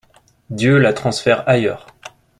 Dieu la transfère ailleurs.